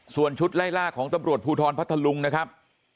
ส่วนชุดไล่ล่าของตำรวจภูทรพัทธลุงนะครับ